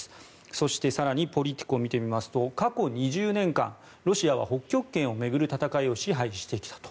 そして、更にポリティコを見てみますと過去２０年間ロシアは北極圏を巡る戦いを支配してきたと。